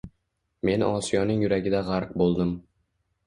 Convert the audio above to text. Men Osiyoning yuragida g‘arq bo‘ldim.